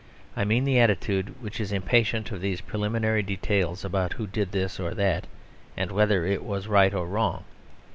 I mean the attitude which is impatient of these preliminary details about who did this or that, and whether it was right or wrong.